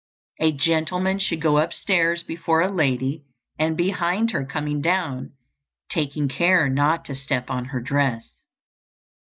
A gentleman should go upstairs before a lady, and behind her coming down, taking care not to step on her dress.